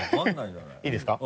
いいですか？